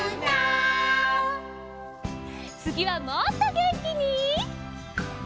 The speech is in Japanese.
つぎはもっとげんきに！